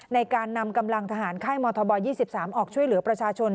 ในการนำกำลังทหารค่ายมธบ๒๓ออกช่วยเหลือประชาชน